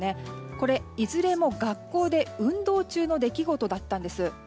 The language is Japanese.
これ、いずれも学校で運動中の出来事だったんです。